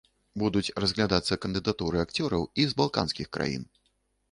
Будуць разглядацца кандыдатуры акцёраў і з балканскіх краін.